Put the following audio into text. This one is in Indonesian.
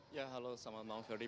ya halo selamat malam ferdie